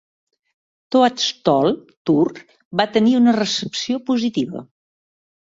"Toadstool Tour" va tenir una recepció positiva.